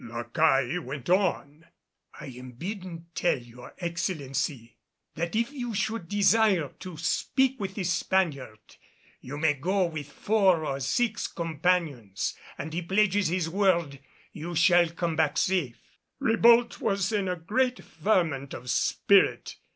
La Caille went on. "I am bidden tell your Excellency that if you should desire to speak with this Spaniard you may go with four or six companions, and he pledges his word you shall come back safe." Ribault was in a great ferment of spirit.